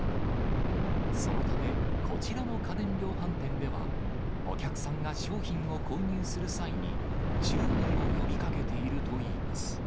そのため、こちらの家電量販店では、お客さんが商品を購入する際に、注意を呼びかけているといいます。